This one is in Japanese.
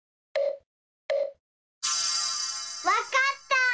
わかった！